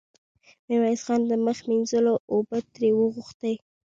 ميرويس خان د مخ مينځلو اوبه ترې وغوښتې.